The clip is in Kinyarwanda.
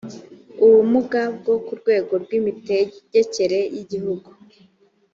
ubumuga ku rwego rw imitegekere y igihugu